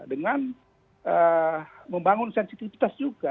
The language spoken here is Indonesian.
dengan membangun sensitivitas juga